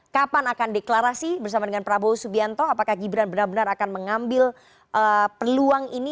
kapan akan deklarasi bersama dengan prabowo subianto apakah gibran benar benar akan mengambil peluang ini